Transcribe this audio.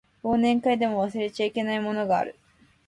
忘年会でも忘れちゃいけないものがある